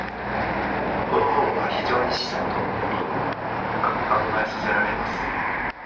•この本は非常に示唆に富んでおり、深く考えさせられます。